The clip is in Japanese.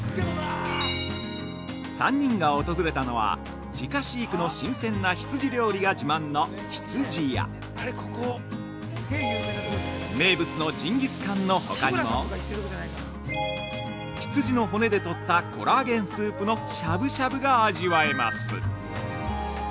３人が訪れたのは直飼育の新鮮な羊料理が自慢の「ひつじや」名物のジンギスカンのほかにも羊の骨で取ったコラーゲンスープのしゃぶしゃぶが味わえます。